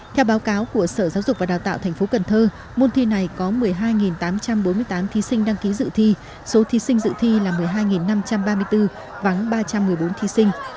theo báo cáo của sở giáo dục và đào tạo tp cn môn thi này có một mươi hai tám trăm bốn mươi tám thí sinh đăng ký dự thi số thí sinh dự thi là một mươi hai năm trăm ba mươi bốn vắng ba trăm một mươi bốn thí sinh